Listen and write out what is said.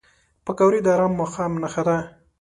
پکورې د ارام ماښام نښه ده